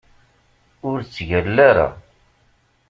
Ur ttgalla ara!